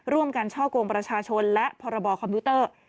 ร่วมกันช่อกงประชาชนและพรบคอมพิวเตอร์